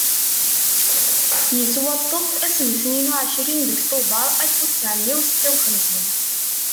Yettwaṭṭef ass n tniyen uɛecrin deg tubeṛ Alef u ṭṭɛemya u setta u xemsin.